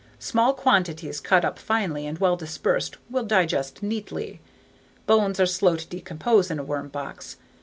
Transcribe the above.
Small quantities cut up finely and well dispersed will digest neatly. Bones are slow to decompose in a worm box.